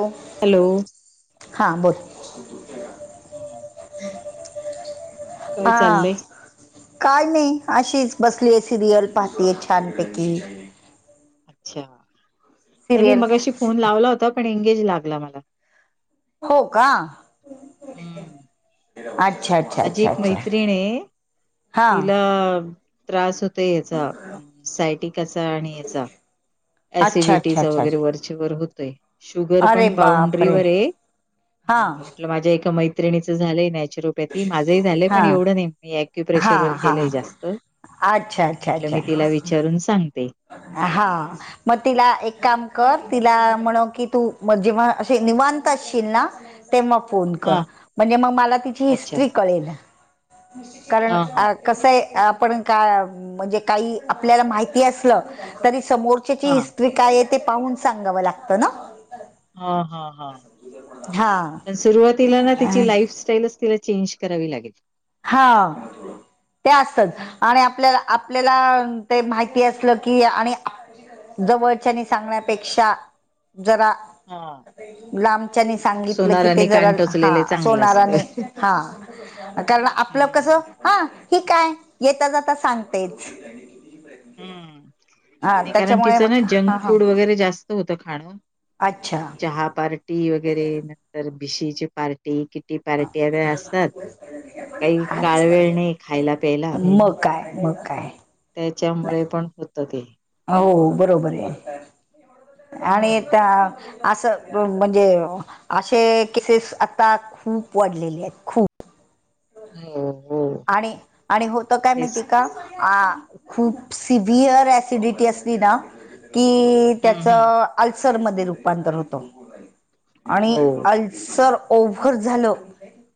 हो‌. हॅलो, हा बोल. हम. हा. काय नाही अशीच बसली सिरियल पाहतेय छानपैकी अच्छा अ मी सिरियल मगाशी फोन लावला होता पण एंगेज लागला मला हो का? हम्म अच्छा अच्छा माझी अच्छा एक अच्छा मैत्रिण आहे हा तिला त्रास होतोय याचा [unintelligible] अच्छा ऍसिडिटी अच्छा च अच्छा अच्छा. वगैरे शुगर होते, शुगर अरे पण बॉण्ड्री बापरे वर आहे, हा म्हटलं माझं एका मैत्रीण [unintelligible] झाले नॅचरल ती माझंही झालंय हा पण एवढं नाही मी हा अॅक्यूप्रेशर वर हा केलंय जास्त अच्छा अच्छा म्हटलं मी तिला अच्छा विचारून सांगते. हा मग तिला एक काम कर तिला म्हण कि तू जेव्हा असे निवांत असशील ना तेव्हा फोन कर हा म्हणजे मग मला तिची अच्छा हिस्ट्री कळेल कारण हा हा कसं आहे, आपण का म्हणजे काही आपल्याला माहिती असलं तरी समोर. ची हा हिस्ट्री काय आहे ते पाहून सांगावं लागतं ना हा हा हा, हा तर सुरुवातीला अ, त्याची [unintelligible] [unintelligible] तिला चेंज करावी लागेल हा ते असतात आणि आपल्याला आपल्याला ते माहिती असलं की, आणि जवळच्यानी सांगण्यापेक्षा जरा. हा. लांबच्यानी सांगितलं की, ते सोनाराने जरा कान हा टोचलेले चांगलं असतं. सोनाराने हा कारण आपलं कस हम्म हा, ठीक आहे येता जाता सांगतेच. हम्म हा नाही कारण त्याच्यामुळे तिचं ना मग हा जंक हा फूड वगैरे जास्त होत खाणं. अच्छा चहा पार्टी वगैरे नंतर [inaudible] पार्टी किटी पार्टी असतात. काही आज काळ वेळ नाही खायला प्यायला. मग काय मग काय त्याच्यामुळे पण होतं ते. हो बरोबर आहे आणि हम्म. त्या. असं म्हणजे असे केसेस आता खूप वाढलेले आहेत खूप. हो हो आणि आणि होत काय तेच. माहिती का. आ खूप सिव्हअर ॲसिडिटी असली ना की, हम्म त्याच हम्म. अल्सरमध्ये रूपांतर होत आणि हो. अल्सर ओव्हर झालं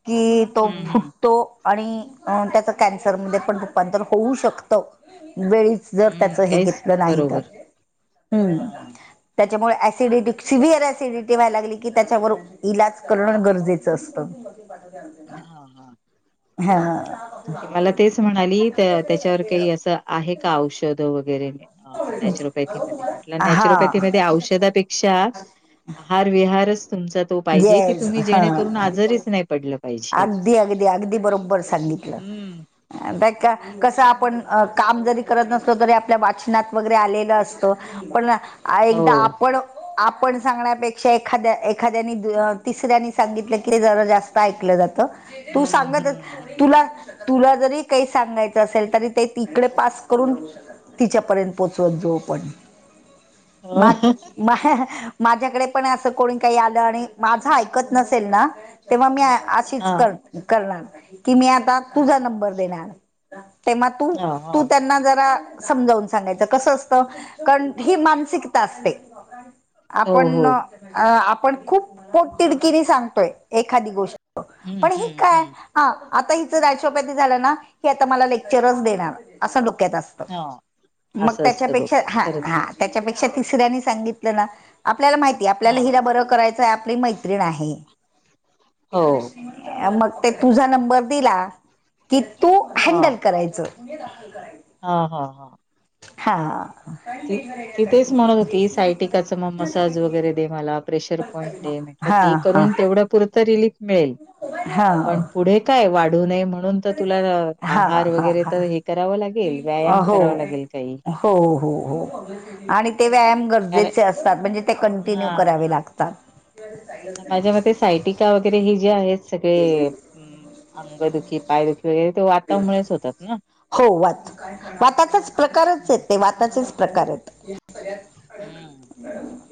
की, तो हम्म हम्म. फुट त्याच कन्सर मध्ये पण रूपांतर होऊ शकतं, वेळीच जर त्याच हम्म हे काहीच घेतलं नाही तर. बरोबर. हम् हा त्याच्यामुळे ऍसिडिटी सिवीअर असिडिटी व्हायला लागली कि त्याच्यावर. इलाज करणं गरजेचं असतं. [inaudible] हा हा. हा ती मला तेच म्हणाली तर त्याच्यावर काही असं. आहे का औषध वगैरे नॅचरोपॅथी मध्ये. म्हटलं हा नॅचरोपॅथी मध्ये औषधापेक्षा, आहार विहारच तुमचा तो पाहिजे की, येस तुम्ही हा. जेणेकरून आजारीच नाही पडलं. पाहिजे. अगदी अगदी अगदी बरोबर सांगितलं हं. बरं का. कसं आपण काम जरी करत नसतो तरी आपल्या वाचनात वगैरे आलेलं असतं. पण एकदा हो. आपण आपण सांगण्यापेक्षा एखाद्या. एखाद्यानी तिसऱ्यांनी सांगितलं की ते जरा जास्त ऐकलं जात. तू हं, सांगत हं, हं. तुला. तुला जरी काही सांगायचं असेल तरी ते तिकडे पास करून. तिच्यापर्यंत पोचवत जाऊ आपण. माझ्याकडे पण असं कोणी. काई आलं. आणि माझं ऐकत नसेल ना तेव्हा मी हां, हां, अशीच हां. कर. करणार नाय की मी आता तुझा नंबर देणार. तेव्हा तू, तू त्यांना जरा. समजावून सांगायचं कस असतं कारण ही मानसिकता असते. हो, हो. आपण, आपण खूप पोटतिडकीनी सांगतोय एखादी गोष्ट. हं, पण ही हं, काय. हं. हा आता हिचं नॅचरोओपॅथी झालं ना, ही आता मला लेक्चरच देणार असं डोक्यात असतं. हां, मग असं असतं त्याच्यापेक्षा डोक्यात. हा खरंच आहे. हा त्याच्यापेक्षा तिसऱ्यांनी सांगितलं ना, आपल्याला माहिती आपल्याला हां. हिरा बरं करायचंय. आपली मैत्रीण आहे. हो. मग ते तुझा नंबर दिला, की तू हँडल करायचं. [inaudible] हा हा हा हा हा ती तेच म्हणत होती. सायटिकाच मग मसाज वगैरे दे. मला प्रेशर पॉईंट दे. हा ते हा करून तेवढं पुरत रिलीफ मिळेल. हा पण पुढे काय वाढू नये, म्हणून तर तुला हा आहार हा वगैरे तर हे. हा करावं लागेल. व्यायाम हो कराव लागेल काही. हो हो हो आणि ते व्यायाम कारण गरजेचं. जे असतात म्हणजे ते कंटिन्यू हा करावे लागतात माझ्या मते सायटिका वगैरे हे जे आहेत सगळे अंगदुखी पायदुखी वगैरे ते वातामुळेळेच होतात ना हो वात वाताचाच प्रकारच य ते वाताचेच प्रकार आहेत हम्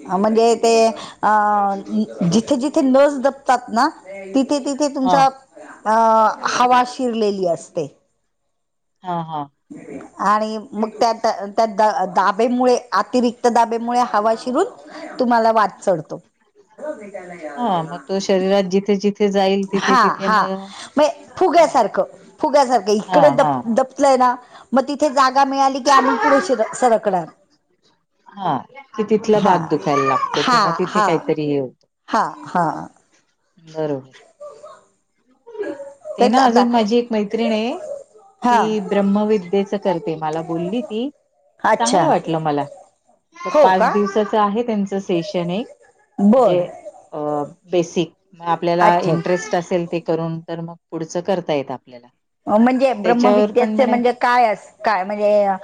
म्हणजे ते अ जिथे जिथे नस जपतात ना तिथे तिथे हा तुमचा अ हवा शिरलेली असते हा हा आणि मग त्या त्या द दाबेमुळे अतिरिक्त दाबेमुळे हवा शिरून तुम्हाला वाट चढतो हा मग शरीरात जिथे जिथे जाईल तिथे हा तिथे हा मग हा फुग्यासारखं फुग्यासारखं हा इकडे हा दब दब ना मग तिथे जागा मिळाली की आम्ही पुढे शीर सरकणार हा की तिथला हा भाग दुखायला लागतो हा किंवा तिथे हा काहीतरी हे हा हा बरोबर ते तेच ना आता अजून माझी एक मैत्रिण आहे. ती हा ब्रहमविद्येच करते मला बोलली ती अच्छा चांगलं वाटलं मला तर हो पाच का दिवसाच आहे त्यांचं सेशन एक बरं म्हणजे अ बेसिक आपल्याला अच्छा अच्छा इंटरेस्ट असेल ते करून तर मग पुढचं करता येत आपल्याला म्हणजे त्याच्यावर पण ब्रम्मविद्याचे म्हणे म्हणजे काय असं काय म्हणजे अ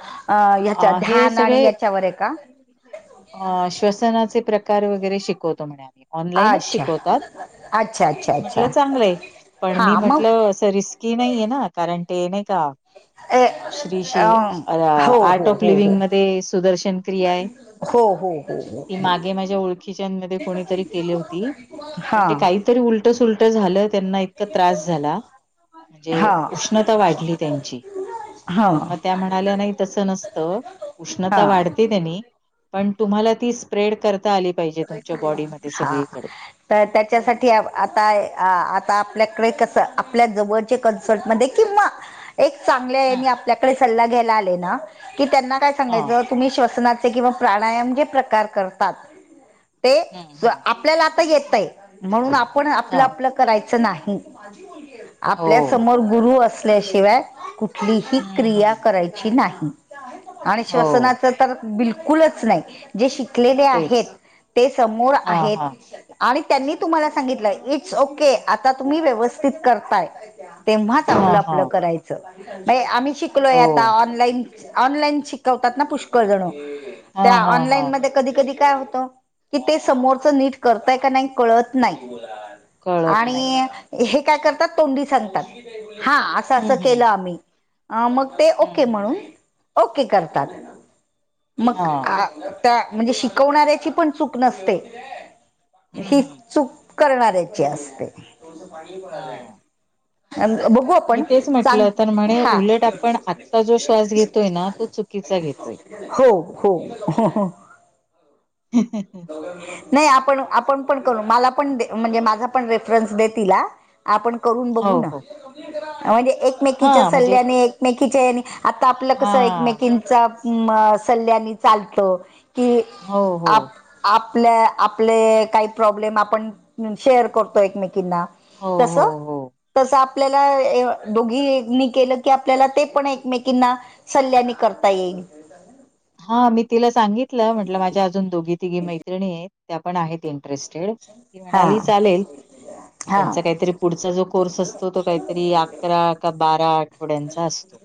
ह्याच्या हे ध्यान आणि सगळे हयाच्यावर आहे का? अ श्वसनाचे प्रकार वगैरे शिकवतो म्हणे ऑनलाईनच अच्छा शिकवतात अच्छा अच्छा म्हटलं अच्छा चांगलंय. पण हा मी मग म्हटलं असं रिस्की नाहीे ना कारण ते नाही का ऐ श्री श्री आर्ट ऑफ हो हो लिव्हंग मध्ये सुदर्शन क्रिया आहे. हो हो हो हो ती हो मागे माझ्या ओळखीच्या मध्ये कोणीतरी केली होती हा पण ते काही काही तरी उलट सुलट झालं त्यांना इतका त्रास झाला म्हणजे हा उष्णता वाढली त्यांची हा तर मग त्या म्हणाल्या नाही तसं नसतं उष्णता हा वाढते त्यांनी पण तुम्हाला ती स्प्रेड करता आली पाहिजे तुमच्या बॉडीमध्ये हा सगळीकडे तर त्याच्यासाठी आता आता आपल्याकडे कसं आपल्या जवळ ते कन्सल्ट मध्ये किंवा एक चांगल्या हा यांनी आपल्याकडे सल्ला घ्यायला आले ना की त्यांना काय हा सांगायचं तुम्ही श्वसनाचे किंवा प्राणायाम जे प्रकार करतात. ते हम्म हम्म आपल्याला आता येत आहे म्हणून आपण आपलं हा आपलं करायचं नाही हो आपल्या समोर गुरु असतात असल्याशिवाय कुठलीही हम्म क्रिया हम्म करायची नाही आणि हो श्वसनाच तर बिलकुलच नाही जे शिकलेले तेच आहेत ते समोर हा आहेत. हा आणि त्यांनी तुम्हाला सांगितलं इट्स ओके आता तुम्ही व्यवस्थित करताय. तेव्हाच हा आपलं हा आपलं करायचं आम्ही शिकलोय हो आता ऑनलाईन ऑनलाईन शिकवतात ना पुष्कळ जणू हा त्या हा हा ऑनलाईन मध्ये कधी कधी काय होतं. कि ते समोरच नीट करतय का नाही कळतं नाही कळत नाही आणि हे काय करतात तोंडी सांगतात हा असं हम्म असं हम्म केलं आम्ही मग ते हम्म ओके म्हणून हम्म ओके करतात मग हा त्या म्हणजे शिकवणाऱ्याची पण चूक नसते हम्म ही हम्म चूक करणाऱ्याची असते हा आण भोगतो मी तेच म्हटलं तर म्हणे, उलट आपण आत्ता जो श्वास घेतोय ना तो चुकीचा घेतोय. हो हो हो हो [inaudible] नाही आपण आपण पण करू, मला पण म्हणजे माझा पण रेफरन्स दे तिला आपण करूंन हो बघू ना, हो म्हणजे एकमेकीच्या हा म्हणजे सल्ल्याने एकमेकीच्या ह्याने आता आपलं हा कसं एकमेकीचा सल्ल्यानी चालतो. की हो हो आप आपल्या आपले काही प्रॉब्लेम आपण, शेअर करतो एकमेकींना. हो हो तसं हो तसं आपल्याला दोघीनी केलं की आपल्याला ते पण एकमेकींना सल्ल्यानी करता येईल. हा मी तिला सांगितलं म्हटलं माझ्या अजून दोघी तिघी मैत्रिणी येत, त्या पण आहेत इं ट्रेस्टेड, ती हा म्हणाली चालेल, हा त्यांचं काहीतरी पुढचा जो कोर्स असतो तो काहीतरी, अकरा का बारा आठवड्यांचा असतो.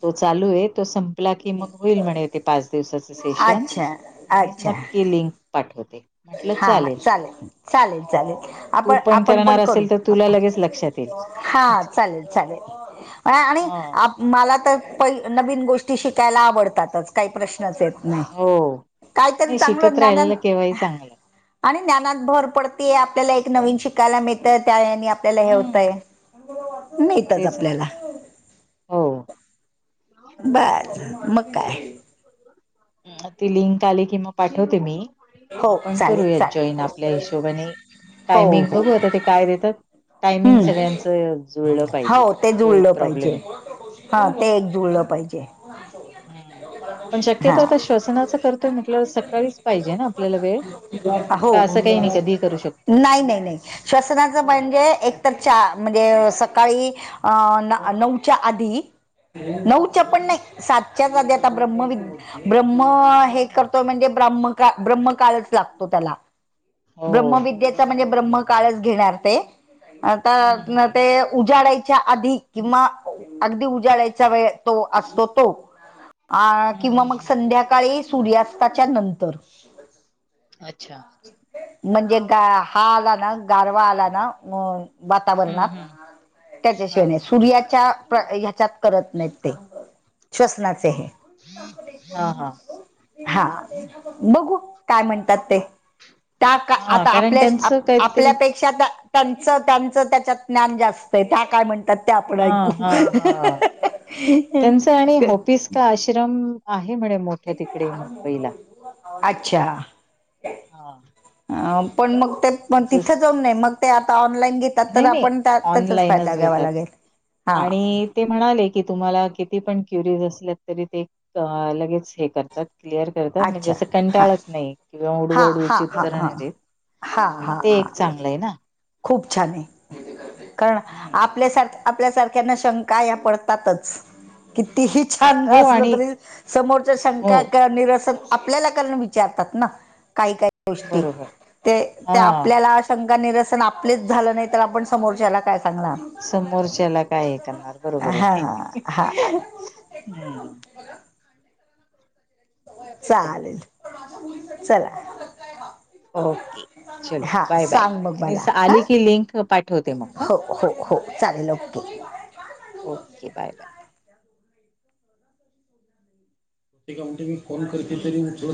तो चालू ये तो संपला कि मग होईल म्हणे. ते पाच दिवसाचं सेशन, अच्छा मी अच्छा नक्की लिंक पाठवते. हा चालेल, चालेल - चालेल, मग तू आपण - आपण पण करणार करू. असेल तर तुला लगेच लक्षात येईल. हा चालेल - चालेल, आणि हां. आप मला तर पै नवीन गोष्टी शिकायला आवडतातचं. काही प्रश्नच येत हो. नाही काय तरी चांगलं ज्ञान केव्हा ही चांगलं. आणि ज्ञानात भर पडतेयं आपल्याला एक नवीन शिकायला मिळतंय, त्या ह्यानी आपल्याला हे होतंय. [unintelligible] तेचं ना आपल्याला हो. बरं मग काय? ती लिंक आली कि मग पाठवते मी. हो आपण चालेल करूयात चालेल जॉईन आपल्या हिशोबाने, हो टायमिंग हो बघू आता ते काय देतात. टायमिंग हम्म सगळ्यांच जुळलं पाहिजे, हो ते तो एक जुळलं प्रॉब्लेम पाहिजे आहे. हा ते एक जुळलं पाहिजे, हा. तसंन अ वेळ हो, का असं काही नाही कधीही करू शकतो. नाही - नाही - नाही. श्वसनाचं म्हणजे, एकतर चहा म्हणजे सकाळी अं - नऊच्या आधी, नऊच्या पण हम्म. नाही सातच्या आधी आता ब्रह्मवि, ब्रह्म हे कर तो म्हणजे ब्राह्म काळ- ब्राह्म काळच लागतो त्याला, हो. ब्रह्मविदेचा म्हणे ब्रह्म काळच घेणार ते, आता हम्म मग हम्म ते हम्म उजाडाच्या आधी किंवा, अगदी उजाडायचा वेळ तो असतो तो. अ - हम्म किंवा हम्म मग हम्म संध्याकाळी सूर्यास्ताच्या नंतर. अच्छा! म्हणजे गा हा आला ना गारवा आला ना मग हम्म वातावरणात, हम्म हा त्याच्याशिवाय नाही हा. सूर्याच्या ह्या त्यात करत नाही ते, श्वसनाचे हे. हा हा. हा बघू काय म्हणतात ते. त्या टाक हा आता कारण आपल्या आप त्यांचं काहीतरी आपल्यापैकी त्यांच्यात त्यांच त्यांच त्यांच्यात ज्ञान जास्त त्या काय म्हण त्यात ते आपण हा ऐकू. ते आणि क- होतीस का आश्रम आहे म्हणे. मोठं तिकडे मुंबईला. अच्छा! हा. अ पण मग ते प तिथ जस जाऊन नाही मग ते आता ऑनलाईन घेत. तर नाही नाही आपण त्या त्याचाच ऑनलाईनच फायदा घ्यावा घेतात लागेल हा. आणि ते म्हणाले की तुम्हाला किती पण क्युरिस असल्या तरी ते. लगेच हे करतात क्लिअर तात म्हणजे अच्छा असं हा कंटाळत नाही किंवा हा हा उडबाडूची हा हा उत्तरण देत. हा मग हा ते हा एक चांगलं आहे ना. खूप छान आहे कारण हं. आपल्यासारख. आपल्यासारख्याना शंका या पडतातच. कितीही छान हो असलं आणि तरी समोरच्या हो, शंका निर आप विचतात काही काही गोष्ट बरोबर. हां. आपल्या. शंका निरसन आपलेच झालं नाही तर आपण समोरच्याला काय सांगणार. समोरच्याला काय हे करणार बरोबर आहे हां हां हम्म. चालेल चला. ओके चलो हां बाय बाय सांग मग मला मीस हां आली की लिंक पाठवते मग. हां. हो हो हो चालेल. Okay bye bye. ते का म्हणते मी फन करते तरी.